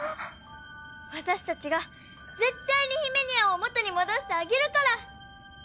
私たちが絶対にひめにゃんを元に戻してあげるから！